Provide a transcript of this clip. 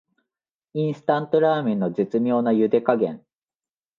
インスタントラーメンの絶妙なゆで加減